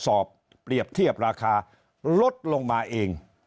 สอบเปรียบเทียบราคาลดลงมาเอง